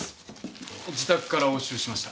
自宅から押収しました。